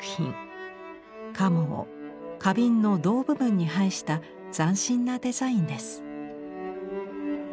カモを花瓶の胴部分に配した斬新なデザインです。